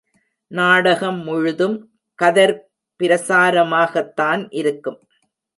நாடகம் முழுதும் கதர் பிரசாரமாகத்தான் இருக்கும்.